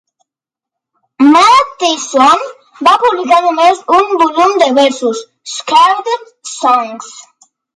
Matheson va publicar només un volum de versos, "Sacred Songs".